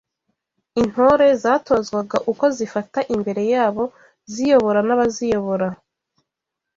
Intore zatozwaga uko zifata imbere y’abo ziyobora n’abaziyobora